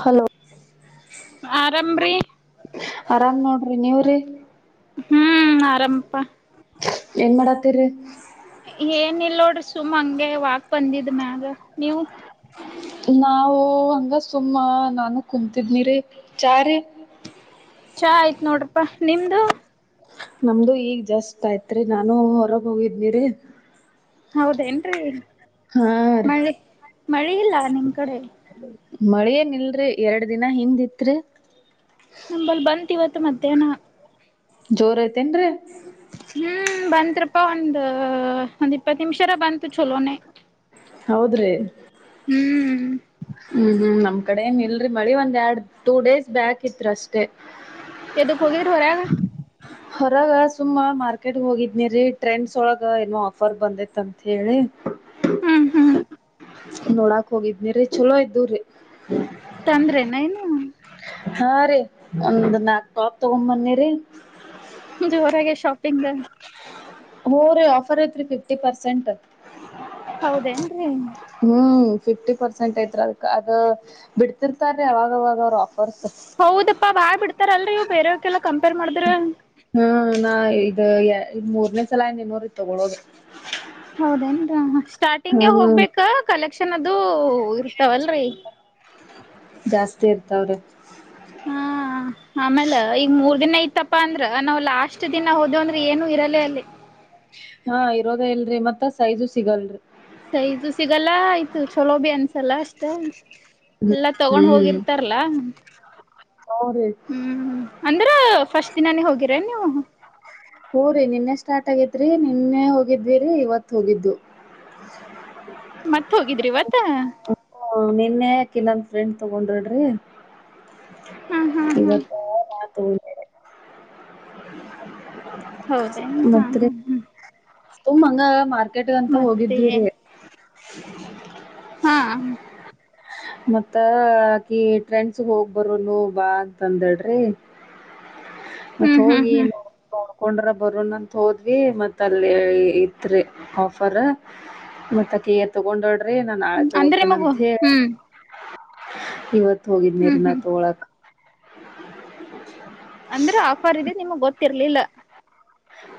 hello ಆರಾಮ್ರೀ ಆರಾಮ್ ನೋಡ್ರಿ ನೀವ್ರಿ ಹ್ಮ [unintelligible] ಹ್ಮ್ ಆರಾಮಪ್ಪಾ ಏನ್ ಮಾಡತ್ತರಿ ಏನಲ್ೋಡಿ ಸುಮ್ ಹಂಗೆ ವಾಕ್ ಬಂದಿದ್ ಮ್ಯಾಗ ನೀವು ನಾವು ಹಂಗ ಸುಮ್ಮ ನಾನ ಕುೂಂತಿದ್ನಿರಿ ಚಾರ ಚಾ ಆಯ್ತ್ ನೋಡ್ರಪ್ಪಾ ನಿಮ್ದು ನಮ್ದು ಈಗ್ ಜಸ್ಟ್ ಆಯ್ತ್ರಿ ನಾನು ಹೊರಗ್ ಹೋಗಿದನಿರಿ ಹೌದೇನ್ೀ ಹಾ ರೀ ಮಳೆ ಇಲ್ಲ ನಿಮ [unintelligible] ಕಡೆ [unintelligible] ಮಳೇನ್ ಇಲ್ರಿ ಎರಡ್ ದಿನ ಹಿಂದ್ಿತ್ರಿ ನಂಬಲ್ಲಿ ಬಂದ ಇವತ್ತು ಮಧ್ಯಾಹ್ನ ಜೋರ ಐತೆೇನ್ರೀ ಹ್ಮ್ ಬಂತ್ರಪ್ಪಾ ಒಂದ ಒಂದ್ ಇಪ್ಪತ್ತು ನಿಮಿಷಾರ ಬಂತು ಚಲೋನೇ ಹೌದ್ರಿ ಹ್ಮ್ ಹ್ಮ್ ಹ್ಮ್ ನಮ್ಮ [unintelligible] ಗಡನ್ ಇಲ್ರಿ ಮಳಿ ಒಂದ್ ಎರಡು ಟೂ ಡೇಸ್ ಬ್ಯಾಕ್ ಇತ್ ಅಷ್ಟೇ ಕೆ ದುಖೋೋಗ ರ ಹರಗ [unintelligible] ಹೊರಗ ಸುಮ್ಮ ಮಾರ್ಕೆಟ್ಗೆ ಹೋಗಿದ್ನಿೀ ಟ್ರೆಂಡ್ಸ್ ಒಳಗ ಏನೋ ಆಫರ್ ಬಂದೈತ್ ಅಂತ ಹೇಳಿ ಹ್ಮ್ ಹ್ಮ್ ನೋಡಾಕ್ ಹೋಗಿದ್ನಿ್ರೀ ಚಲೋ ಇದ್ದು್ರೀ ತಂದ್ರೆನ ಏನು ಹಾ ರೀ ಒಂದ್ ನಾಕ್ ಟಾಪ್ ತಗೊ್ ಬನ್ನಿರಿ ಜೋರಾಗ ಶೊ ತಿಟಂಗ [unintelligible] ಮೂಊ ಆಫರ್ ಐತ್ರಿ ಫಿಫ್ಟಿ ಪರ್ಸೆಂಟ್ ಹೌದೇನ್ರರಿ ಹ್ಮ್ ಫಿಫ್ಟಿ ಪರ್ಸೆಂಟ್ ಐತ್ ಅದಕ್ ಅದು ಬಿಡ್ತಿರ್ತಾರೀ ಅವಾಗವಾಗ ಅವ್ರರು ಆ [unintelligible] ಹೌದಪ್ಪಾ ಬಾ್ ಬಿಡ್ತ [unintelligible] ತರ ಅಲ್ರಿ ಇವು ಬೇರೆಯವಕ್ಕೆೆಲ್ಲ ಕಂಪೇರ್ ಮಾಡಿದ್ರೆ ಇದು ಇದ್ ಮೂರ್ನೇ ಸಲ ಇ ಇನ್ನೂ ಇ ತಗೊಳೋದ ಹೌದೇನ್ ಅಷ್ಟ [unintelligible] ಸ್ಟಾರ್ಟಿಂಗ್ಗೆ ಹೋಗ್ಬೇಕಾ ಕಲೆಕ್ಷನ್ ಅದು ಇರ್ತಾವಲ್ರರಿ ಜಾಸ್ತಿ ಇರ್ತಾವ್ರೆ [inaudible] ಆಮೇಲೆ ಈಗ ಮೂರ್ ದಿನ ಇಐತ್ತಪಾ ಅಂದ್ರ ನಾವವು ಲಾಸ್ಟ್ ದಿನ ಹೋದ ಅಂದ್ರೆ ಏನು ಇರಲ್ಲ ಅಲ್ಲಿ ಹಾ ಇರೋದೇ ಇಲ್ಲರಿ ಮತ್ತ ಸೈಜು ಸಿಗಲ್ಲರಿ ಸೈಜು ಸಿಗಲ್ಲ ಆಯ್ತ ಚಲೋಬೀ ಅನ್ಸಲ್ಲ ಅಷ್ಟ ಎಲ್ಲಾ ತಗೊಂಡ್ ಹ್ಮ್ ಹೋಗಿರ್ತಾರಲ್ಲಾ ಹೂರಿ ಹ್ಮ್ ಆಂಧ್ರ ಫಸ್ಟ್ ದಿನಾನೇ ಹೋಗಿರ ಎನ್ ನೀವು ಹೋರಿ ನಿನ್ನೆ ಸ್ಟಾರ್ಟ್ ಆಗೇತ್ರಿ ನಿನ್ನೆ ಹೋಗಿದ್ವಿರಿ ಇವತ್ತು ಹೋಗಿದ್ದು ಮತ್ ಹೋಗಿದ್ರಿ ಇವತ್ತ್ ಹ ನಿನ್ನ ಯಾಕಿನ್ನಂದ ಫ್ರೆಂಡ್ ತಗೊಂಡ್ರಡಿ ಹ್ಮ ಇವತ್ತ ನತ ಹೌದೇ ಹಾ ಹ್ಮ್ ಹ್ಮ್ ಹ ಹ ಮ ಟಿಕಟ್ಗಂತ ಮತ್ತೆ ಹೋಗಿದ್ವಿರಿ ಹಾ ಮತ್ತಆಕೆ ಟ್ರೆಂಡ್ಸ್ ಹೋಗ್ಬರೋನು ಬಾ ಅಂತ ಅಂದಲ ರಿ ಮತ್ತ ಹ್ಮ್ ಹ್ಮ್ ಹೋಗಿ ಹ್ಮ್ ನೀ ತಕೊಂಡ್ರ ಬರೋನ್ ಅಂತ ಹೋದ್ವಿ ಮತ್ತ ಅಲ್ಲಿ ಇತ್ರಿ ಆಫರ್ ಮತ್ತ ಕ ತಗೊಂಡ್ರ ಅೇ ನಾನನ್ ಆಳೆ ಅಂದ್ರೆ ತಗೋತೇನೆ ನಿಮಗು ಅಂತ ಹೇಳಿ ಹ್ಮ್ ಇವತ್ತು ಹೋಗಿದ್ ಹ್ಮ್ ನೀರ್ನ ಹ್ಮ್ ತೋಳಕ ಅಂದ್ರೆ ಆಫರ್ ಇದೆ ನಿಮಗ್ ಗೊತ್ತಿರ್ಲಿಲ್ಲ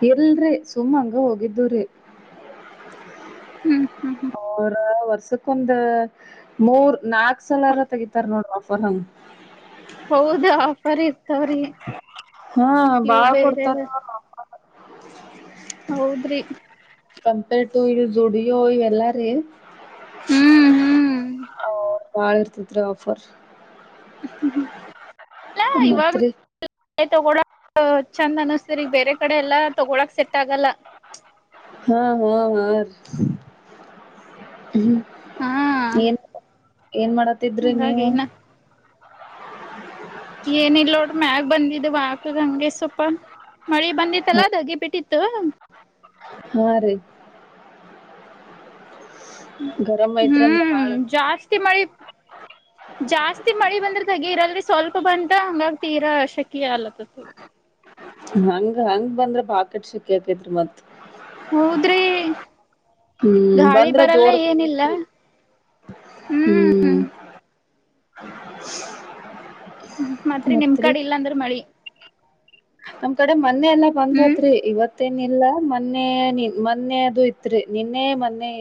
ಇಲ್ರಿ ಸುಮ್ಮಂಗ ಹೋಗಿದ್ದುರಿ ಹ್ಮ್ ಹ್ಮ್ ಹ್ಮ ಅವರ ವರ್ಷಕ್ಕೊಂದು ಮೂರ್ ನಾಲ್ಕು ಹೊಲ್ ನರ ತಗಿತರ ನೋಡ ಪಹಂ ಹೌದ ಆಫರ್ ಇರ್ತಾವ್ರಿ ಹಾ ಇವು ಬಾಳ್ ಬೇರೆವ ಕೊಡ್ತಾರ [unintelligible] ಹೌದ್ರಿ ಕಂಪೇರ್ಡ್ ಟು ಇ ಜುಡಿಯೋ ಇವೆಲ್ಲಾರೀ ಹ್ಮ್ ಹ್ಮ್ ಹ ಭಾಳ ಇರತಿ ರೀ ಆಫರ್ ಹ್ಮ ಹ್ಮ ಮತ್ತ ರಿ ತಗೋಳಕ್ ಚಂದ ಅನಿಸತರಿ ಈಗ ಬೇರೆ ಕಡೆ ಎಲ್ಲಾ ತಗೊಳಕ್ ಸೆಟ್ ಆಗಲ್ಲ ಹಾ ಹಾ ಹ್ಮ್ ಹಾ ಏನ್ ಏನ್ ಮಾಡತಿದ್ರಿ ಹಂಗಾಗಿ ನೀವು ಏನೀಲ್ ನೋಡ ಮ್ಯಾಗ ಬಂದಿದ್ ವಾಕಗ ಹಂಗೆ ಸ್ವಲ್ಪ ಮಳಿ ಬಂದಿತ್ತಲ್ಲ ದಗಿ ಬಿಟ್ಟಿತ್ತು ಹ್ ರಿ ಗರಮ ಐತ್ರ ಅಂದ್ರ ಹ್ಮ್ ಬಾಳ ಜಾಸ್ತಿ ಮಳಿ ಜಾಸ್ತಿ ಮಳಿ ಬಂದ್ರ ದಗಿರಲ್ರಿ ಸ್ವಲ್ಪ ಬಂತ ಹಂಗಾಗಿ ತೀರ ಶಕಿ ಆಗಲತದ ಹಂಗ ಹಂಗ ಬಂದ್ರ ಬಾಕೆಟ್ ಶಖಿ ಆಕೈತ್ರಿ ಮತ್ ಹೌದ್ರಿ ಹ್ಮ್ ಗಾಳಿ ಬಂದ್ರ ಬರಲ್ಲ ಜೋರ್ ಏನಿಲ್ಲ ಹ್ಮ ಹ್ಮ್ [unintelligible] ಮತ್ರಿ ನಿಮ್ ಕಡೆ ಇಲ್ಲಾಂದ್ರ ಮಳಿ ನಮ್ ಕಡೆ ನ್ನೇ ಎಲ್ಲ ಬಂದ್ ಹ್ಮ್ ಹೋತ್ರಿ ಇವತ್ತೇ ಇಲ್ಲ ಮೊನ್ನೆ ನೀ ಮೊನ್ನೆ ಅದು ಇತ್ರಿ ನಿನ್ನೆ ಮೊನ್ನೆ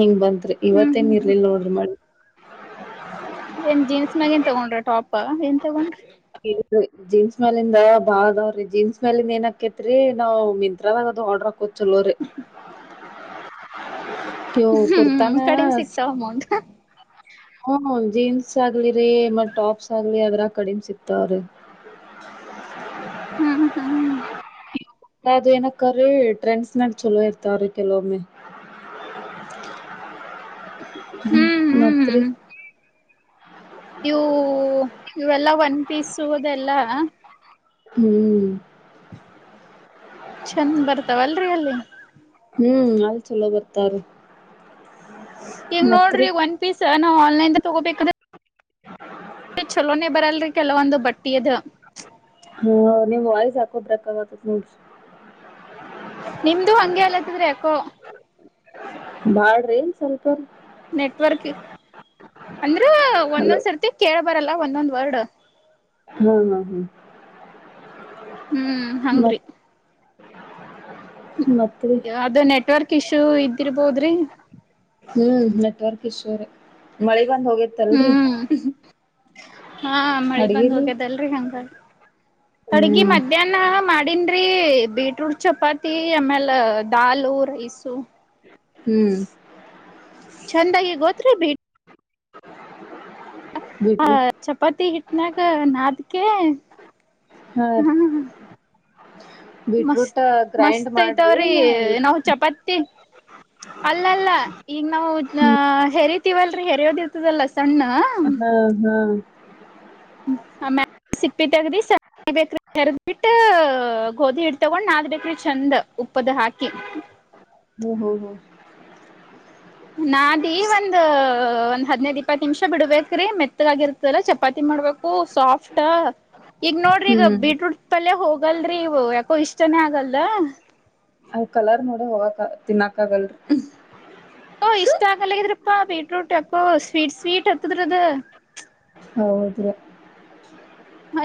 ಹಿಂಗ್ ಬಂತ ಹ್ಮ್ ಇವತ್ತೇನ್ ಹ್ಮ್ ಹ್ಮ್ ಇರ್ಲಿಲ್ಲ ನೋಡ್ರಿ ಮಳಿ [unintelligible] ಏನ್ ಜೀನ್ಸ ಮ್ಯಾಗಿಂದ ತಗೊಂಡ್ರ ಟಾಪ್ ಏನ್ ತಗೊಂಡ್ರಿ ಇಲ್ರಿ ಜೀನ್ಸ ಮೇಲಿಂದ ಬಾಳದಾವ್ರಿ ಜೀನ್ಸ ಮೇಲಿಂದ ಏನ ಆಕ್ಕೇತ್ರಿ ನಾವ್ ಮಿಂತ್ರದಾಗದು ಆರ್ಡರ್ ಹಾಕೋದ ಚಲೋರಿ ಇವು ಕುರ್ತಾನ ಹ್ಮ ಕಡಿಮೆ ಸಿಕ್ತಾವ ಅಮೌಂಟ್ ಹ್ಮ ಜೀನ್ಸ ಆಗ್ಲಿರಿ ಮ ಟಾಪ್ಸ ಆಗ್ಲಿ ಆದ್ರಾಗ್ ಕಡಿಮ ಸಿಗ್ತಾವರಿ ಹ್ಮ್ ಹ್ಮ್ ಅದು ಏನಕ್ಕ್ರೀ ಟ್ರೆಂಡ್ಸನ್ಯಾಗ ಚಲೋ ಇರ್ತಾವರಿ ಕೆಲವೊಮ್ಮೆ ಹ್ಮ ಹ್ಮ್ ಮತ್ರಿ ಹ್ಮ್ ಇವು ಇವೆಲ್ಲಾ ಒನ್ ಪೀಸ್ ಅದು ಎಲ್ಲಾ ಹ್ಮ ಚಂದ ಬರ್ತಾವ ಅಲ್ರಿ ಅಲ್ಲಿ ಹ್ಮ್ ಚಲೋ ಬರ್ತಾವ್ರಿ ಈಗ ಮತ್ರಿ ನೋಡ್ರಿ ಒಂದ್ ಪೀಸ್ ನ ಆನ್ಲೈನ್ ತಗೋಬೇಕ [unintelligible] ಚಲೋನೆ ಬರಲ್ರಿ ಕೆಲವೊಂದ ಬಟ್ಟಿ ಅದ ಹ್ ನಿಮ್ ವಾಯಸ್ ಯಾಕೋ ಬ್ರೇಕ್ ಆಗತೇತಿ ನೋಡ್ರಿ ನಿಮ್ದು ಹಂಗೆ ಆಗಲಾತೈತ್ರಿ ಯಾಕೋ ಬಾಳ್ರಿ ಸ್ವಲ್ಪ ನೆಟ್ವರ್ಕ್ ಅಂದ್ರ ಹಲೋ ಒಂದೊಂದ್ಸರ್ತಿ ಕೇೇಳಬರಲ್ಲ ಒಂದೊಂದ್ ವರ್ಡ್ ಹಾ ಹಾ ಹಾ ಹ್ಮ ಹಂಗ್ರಿ ಮತ್ [inaudible] ಮತ್ರಿ ಆದ ನೆಟ್ವರ್ಕ್ ಇಶ್ಯೂ ಇದ್ದಿರ್ಬೋದ್ರಿ ಹ್ಮ ನೆಟ್ವರ್ಕ್ ಇಶ್ಯೂರಿ ಮಳೆ ಬಂದ ಹೋಗೇತ್ತಲ್ರಿ ಹ್ಮ್ ಹಾ ಮಳಿ ಬಂದ್ ಅಡಗಿರಿ ಹೋಗ್ಯದಲ್ರರಿ ಹಂಗಾಗಿ ಅಡ್ಗಿ ಮಧ್ಯಾಹ್ನ ಮಾಡಿನ್ ಬಿ ಬೀಟ್ರೂಟ್ ಚಪಾತಿ ಆಮೇಲೆ ದಾಲ್ ಲವು ರೈಸು ಹ್ಮ್ ಚಂದಾಗಿ ಗೋತ್ರ ಬಿಟ್ಟ ಬೀಟ್ರೂಟ್ ಚಪಾತಿ ಹಿಟ್ಟನಾಗ ನಾಾದ ಕೇೇಳ ಹಾ ರೀ ಮಸ್ತ್ ಬೀಟ್ರೂಟ್ ಗ್ರೈಂಡ್ ಮಸ್ತ್ ಮಾಡ್ರಿ ಐತಾವ್ರಿ ನಾಾವ್ ಚಪಾತಿ ಅಲ್ಲ ಅಲ್ಲ ಈಗ ನಾವು ಹ್ಮ್ ಹೆರಿ ತ್ತವಲ್ರರಿ ಹೆರಯೋದಿರ್ತದಲ್ಲ ಸಣ್ಣ ಹಾ ಹಾ ಆಮ್ಯ ಸಿಪ್ಪಿ ತಗ್ರಿ ಸ ಬೇಕ್ರಿ ತರ್ದ್ಬಿಟ್ಟ ಗೋಧಿ ಹಿಟ್ಟ ತಗೊಂಡ್ ನಾದ ಬೇಕ್ರಿ ಚಂದ ಉಪ್ಪದ ಹಾಕಿ ಹ್ಮ ಹ ಹ ನಾದೀ ಒಂದು ಒಂದ್ ಹದ್ನೈದ್ ಇಪ್ಪತ್ತು ನಿಮಿಷ ಬಿಡ್ಬೇಕ್ರಿ ಮೆತ್ತದಾಗಿರ್ತಾರ ಚಪಾತಿ ಮಾಡ್ಬೇಕು ಸಾಫ್ಟ ಈಗ ನೋಡ್ರಿ ಈಗ ಹ್ಮ್ ಬೀಟ್ರೂಟ್ ಪಲ್ಲೆ ಹೋಗಿ ಹಗಲ್ರರಿ ಇವು ಯಾಕೋ ಇಷ್ಟನೆೇ ಆಗಲ್ ಅ ಕಲರ್ ನೋಡ ಹೋಗಕ್ ತಿನ್ನಕ ಆಗಲ್ರಿ ಓ ಇಷ್ಟ ಆಗಲ್ಲಿದ್ರೆ ಅಪ್ಪಾ ಬೀಟ್್ರೂಟ್ ಅಕ್ಕೋ ಸ್ವೀಟ್ ಸ್ವೀಟ್ ಎತ್ತುದರುದು ಹೌದುಾ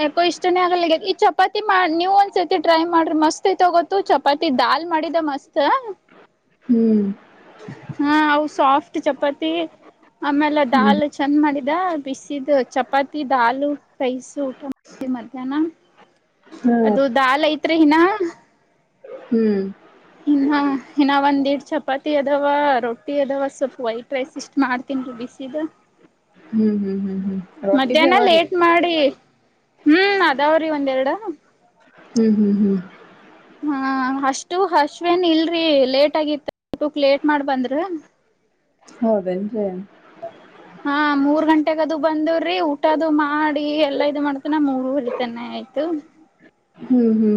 ಯಾಕೋ ಇಷ್ಟನೇ ಆಗಲಿ ಈ ಚಪಾತಿ ನೀವ ಒಂದ್ಸತಿ ಟ್ರೈ ಮಾಡ್ರಿ ಮಸ್ತ್ ಐತಗೊತ ಚಪಾತಿ ದಾಲ್ ಮಾಡಿದ ಮಸ್ತ್ ಹ್ಮ್ ಹಾ ಅವು ಸಾಫ್ಟ್ ಚಪಾತಿ ಆಮೇಲೆ ಹ್ಮ್ ದಾಲ್ ಚಂದ ಮಾಡಿದ ಬಿಸಿದ ಚಪಾತಿ ದಾಲ್ ರೈಸು ಊಟ ಮಾಡಿ ಮಧ್ಯಾಹ್ನ ಹಾ ಅದು ದಾಲ್ ಐತ್ರಿ ಇನಾ ಹ್ಮ್ ಇನ್ನ ಇನ್ನ ಒಂದ್ಡ್ ಚಪಾತಿ ಅದಾವ ರೊಟ್ಟಿ ಅದಾವ ಸ್ವಲ್ಪ ವೈಟ್ ರೈಸ್ ಇಷ್ಟ್ ಮಾಡ್ತನ್ೀ ಬಿಸಿದ ಹ್ಮ್ ಹ್ಮ್ ಹ್ಮ್ ಹ್ಮ್ ರೊಟ್ಟಿ ಬಿ ಮಧ್ಯಾಹ್ನ ಅವರಿ ಲೇಟ್ ಮಾಡಿ ಹ್ಮ್ ಅದಾವ್ರೀ ಒಂದೆರಡು ಹ್ಮ್ ಹ್ಮ್ ಹ್ಮ್ ಹ್ಮ ಅಷ್ಟು ಹಶ್ವೇನ್ ಇಲ್ರೀ ಲೇಟ್ ಆಗಿತ್ತ ಊಟಕ್ ಲೇಟ್ ಮಾಡ್ ಬಂದ್ರಿ ಹೌದೇನ್ ರಿ [unintelligible] ಹಾ ಮೂರ್ ಗಂಟೆಗದು ಬಂದವ್ರಿ ಊಟದು ಮಾಡಿ ಎಲ್ಲಾ ಇ ಮಾಡ್ತನ ಮೂರುರ್ತನೆೆ ಆಯ್ತು ಹ್ಮ್ ಹ್ಮ್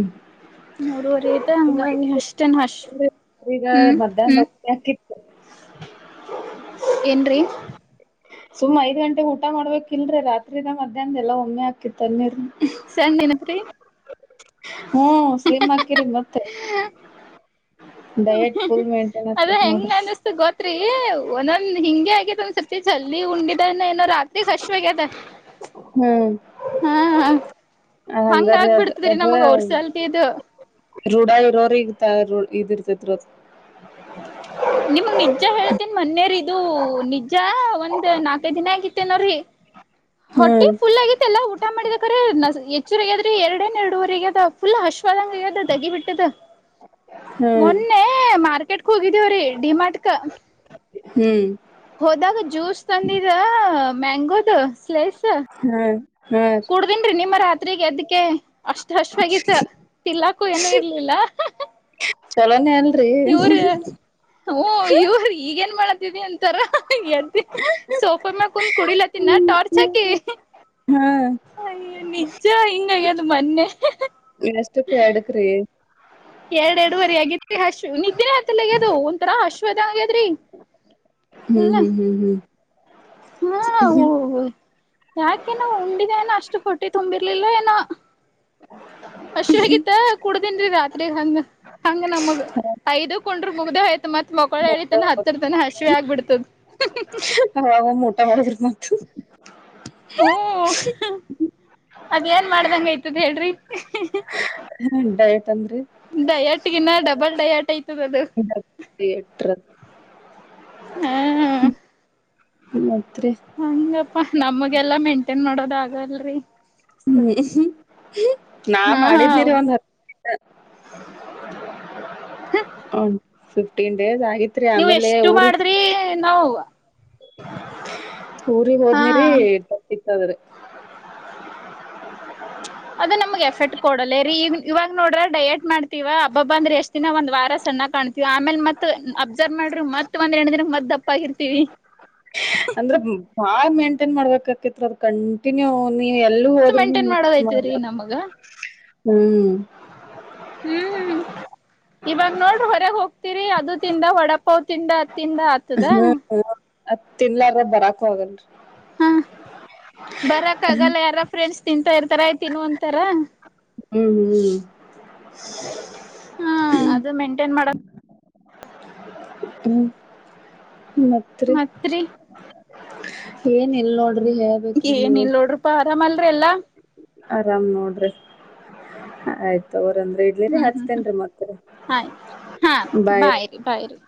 ಮೂರುವವರೆ ಮತ್ತೆ ಹಂಗ ಅಷ್ಟೇನ್ ಅಶ ಸುಮ್ ಈಗ ಮಧ್ಯಾಹ್ನ ಹಾಕಿ [unintelligible] ಹೌ [unintelligible] ಏನ್ರೀ [unintelligible] ಸುಮ್ಮ್ ಐದ ಗಂಟೆಗೆ ಊಟ ಮಾಡ್ಬೇಕ್ ಇಲ್ರರಿ ರಾತ್ರಿದ ಮಧ್ಯಾಹ್ನ ಎಲ್ಲ ಒಮ್ಮೆ ಆಕಿತ್ತು [unintelligible] ತನ್ನೆ ಸಣ್ಣ ಏನತ್ರಿ [unintelligible] ಹ್ಮ್ ಸ್ಲಿಮ್ ಹಾಕಿರಿ ಮತ್ತೆ [unintelligible] ಡಯಟ್ ಫುಲ್ ಮೇಂಟೇನ್ ನೋಡ್ರ ಕ್ಷಖ್ವ [unintelligible] ಒಂದೊಂದ ಹಿಂಗೆ ಆಗ್ಯೇದ ಒಂದ್ ಸತಿ ಜಲ್ದಿ ಉಂಡಿದ ಏನೋ ರಾತ್ರಿಗ್ ಹಷವಗ್ಯತ [unintelligible] ಹ್ಮ್ ಹಂಗ ಹಂಗರಿ ಅದ ಆಗ್ಬಿಡ್ತದ್ರಿ ಅದ ನಮಗ್ ಅವ್ರ ಸಲ್ತಿ ಇದು ರೂಢ ಇರೋರಿ [unintelligible] ತಾರ ಇದಿರ್ತಿದ್ರದು [unintelligible] ನಿಮಗ್ ನಿಜ ಹೇಳ್ತೇನ್ ಮನ್ನೆರೀ ಇದು ನಿಜ ಒಂದ್ ನಾಕೈ ದಿನ ಆಗಿತ್ತೇನೋರೀ [unintelligible] ಹೊಟ್ಟಿ ಹ್ಮ್ ಫುಲ್ ಆಗಿತ್ತಲ್ಲಾ ಊಟ ಮಾಡಿದ [unintelligible] ಅ್ರ ಹೆಚ್ಚರಿಗದ್ರೆ ಎರಡನ್ ಎರಡೂವರೆಗ್ಯದ ಫುಲ್ ಅಶ್ವಾದಂಗ ಇದ ದಗಿ ಬಿಟ್ಟದ [unintelligible] ಹ್ಮ್ ಮೊನ್ನೆ ಮಾರ್ [unintelligible] ಕೆಟ್ ಹೋಗಿದೇವ್ರೀ ಡಿಮಾಟಕ, [unintelligible] ಹ್ಮ್ ಹೋದಾಗ ಜ್ಯೂಸು [unintelligible] ತಂದಿದ ಮ್ಯಾಂಗೋದು [unintelligible] [unintelligible] ಹ್ಮ್ [unintelligible] ಕುಡದಿನ್ ರಿ ನಿಮ್ಮ ರಾತ್ರಿ [unintelligible] ಪತ್ರಿಗೆ ಎದಕ್ಕೆ [unintelligible] ಅಷ್ಟ ಹಶವ ಆಗತ್ತ ತಿನ್ಲಾಕು ಏನು ಇರ್ಲಿಲ್ಲ [unintelligible] ಚಲೋನೆ ಅಲ್ಲ [unintelligible] ಯರು [unintelligible] ಹ ಇವ್ರ ಈಗ ಏನ್ ಮಾಡತಿದಿ ಅಂತಾರಂತ ಸೋಫ ಮ್ಯ ಕುಂದ ಕುಡಿಲತ್ತಿನ ಟಾರ್ಚ್ ಹಾಕಿ ಹಾ ಅಯ ನಿಜ ಹಿಂಗ ಆಗ್ಯದ ಮೊನ್ನೆ [unintelligible] ಎಷ್ಟಪ ಎಡಕ್ರಿ [unintelligible] ಎರಡ್ ಎರಡುವರೆ ಆಗಿದಿ ಹಶ್ವ ನಿದ್ದೆ ಆತಲೆಗ್ಯದು ಒಂಥರಾ ಅಶ್ವದ ಆಗ್ಯದ್ರಿ [unintelligible] ಹ್ಮ್ ಫುಲ್ ಹ್ಮ್ ಹ್ಮ್ ಹ್ಮ್ [unintelligible] ಹಾ ಹ್ಮ್ ಹ [unintelligible] ಯಾಕೆ ನ ಉಂಡಿದ ಏನೋ ಅಷ್ಟು ಹೊಟ್ಟಿ ತುಂಬಿರ್ಲಿಲ್ಲ ಏನೋ ಹಸ ಆಗತ್ತ ಕುಡ್ದನ್ ರಾತ್ರಿ ಹಂಗ ಹಂಗ ನಮಗ ಐದ ಕೊಂಡ್ರ ಮುಗ್ದ ಆಯ್ತ ಮತ್ ಮಕ್ಕಳ ಹೇಳಿತಾನ ಹತ್ತರ ತನ ಹಶವಿ ಆಗ್ಬಿಡ್ತದ [unintelligible] ಅವಾಗ ಊಟಾ ಮಾಡದ್ರಿ ಮ [unintelligible] ಓ [unintelligible] ಅದ್ ಏನ್ ಮಾಡ್ದಂಗ ಆಯ್ತದ ಹೇಳ್ರಿ [unintelligible] ಹ ಬ [unintelligible] ತಂದರೆ [unintelligible] ನ್ನ ಡಬಲ್ ಡಯಾಟ್ ಐ ಎ ಹ್ಮ್ ಹ್ಮ ಹ ಾ ನಮಗೆಲ್ಲಾ ಮೇಂಟೇನ್ ಮಾಡೋದ ಆಗಲ್ರಿ ಹ್ಮ್ ನಾ ಹಾ ಹಾ ಮಾಡಿದನಿರಿ ಒಂದ್ [inaudible] ಹ ಫಿಫ್ಟೀನ್ ಡೇಸ್ ಆಯ ನೀವು ಎಷ್ಟು ಮಾಡಿದ್ರಿ ನಾವ ಪೂರಿ ಹೋದ್ನೇರಿ ಹಾ ಅದ್ರೆ ಅದು ನಮ್ಗೆ ಎಫೆರ್ಟ್ ಕೊಡಲ್ಲೇ ರರಿ ಈ ಇವಾಗ ನೋಡ್ರಿ ಡಯೇಟ್ ಮಾಡ್ತೀವ ಹಬ್ಬಬ್ಬ ಅಂದ್ರೆ ಎಷ್ಟ್ ದಿನ ಒಂದ ವಾರ ಸಣ್ಣ ಕಾಣ್ತೀವಿ ಆಮೇಲ್ ಮತ್ ಅಬ್ಸರ್ವ್ ಮಾಡ್ರರು ಮತ್ ಒಂದ್ ಎರಡ್ ದಿನಕ್ ಮತ್ ದಪ್ಪ ಆಗಿರ್ತಿೀವಿ ಅಂದ್ರ ಬಾ ಮೇಂಟೈನ್ ಮಾಡ್ಬೇಕಕತ್ ಅದ ಕಂಟಿನ್ಯೂ ನೀ ಎಲ್ಲೂ ಅಷ್ಟು ಹೋದ್ರೂ ಮೇಂಟೈನ್ ಮಾಡ ಮಾಡೋದೈತಿರಿ ನಮಗ ಹ್ಮ್ ಹ್ಮ್ ಇವಾಗ ನೋಡ್ರಿ ಹೊರಗೆ ಹೋಗ್ತಿೀರಿ ಅದು ತಿಂದ ಹೊಡ ಹತಿಂದ ಹತ್ತಿಂದ ಆತದ ಅತ್ ತಿನ್ಲಾರ ಬರಾಕ ಹೋಗಲ್ರರಿ ಹಾ ಬರಕ್ಕ ಆಗಲ್ಲ ಯಾರ ಫ್ರೆಂಡ್ಸ್ ತಿಂತಾ ಇರ್ತಾರ ಯ್ತಿನ್ನು ಅಂತಾರ ಹ್ಮ್ ಹ್ಮ್ ಹಾ ಅದು ಮೇಂಟೈನ್ ಮಾಡಕ್ ಹ್ಮ ಮ ಮತ್ರಿ [inaudible] ಏನ್ ಎಲ್ಲೋಡು ಡಿ ಹೇಳ್ಬೇಕ್ರೀ ನೀವ ಾಮಲ್ರಿ ಎಲ್ಲ ಆರಾಮ್ ನೋಡ್ರಿ ಆಯ್ತ ಂದ ಇಡ್ಲಿರಿ ಹ್ಮ್ ಹ್ಮ್ ಹಚ್ತೇನ್ರಿ ಮತ್ತರಿ ಹ್ಮ್ ಆಯ್ತ್ ಹಾ ಬಾಯ ಬಾಯ್ರಿ ಬಾಯ್ರಿ